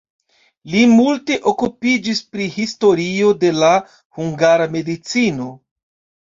Li multe okupiĝis pri historio de la hungara medicino.